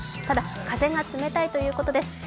ただ、風が冷たいということです。